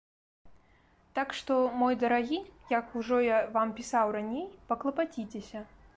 Так што, мой дарагі, як ужо я вам пісаў раней, паклапаціцеся.